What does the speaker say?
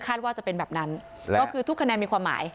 ว่าจะเป็นแบบนั้นก็คือทุกคะแนนมีความหมาย